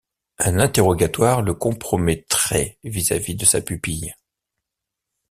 Un interrogatoire le compromettrait vis-à-vis de sa pupille.